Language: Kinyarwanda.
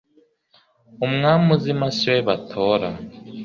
umwami uzima siwe batora